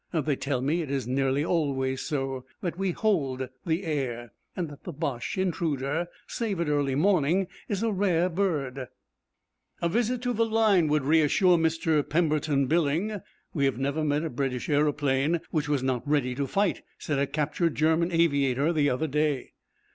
They tell me it is nearly always so that we hold the air, and that the Boche intruder, save at early morning, is a rare bird. A visit to the line would reassure Mr. Pemberton Billing. 'We have never met a British aeroplane which was not ready to fight,' said a captured German aviator the other day.